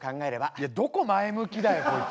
いやどこ前向きだよこいつ。